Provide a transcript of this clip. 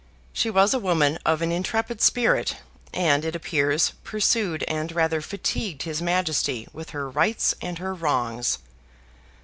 She was a woman of an intrepid spirit, and, it appears, pursued and rather fatigued his Majesty with her rights and her wrongs.